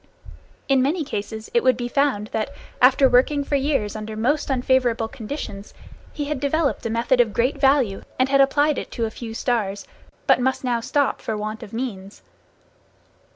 In many cases, it would be found that, after working for years under most unfavorable conditions, he had developed a method of great value and had applied it to a few stars, but must now stop for want of means.